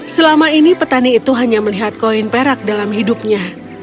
selama ini petani itu hanya melihat koin perak dalam hidupnya